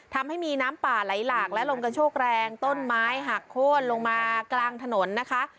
ทำให้มีน้ำป่าไหลหลากและลมกระโชกแรงต้นไม้หักโค้นลงมากลางถนนนะคะ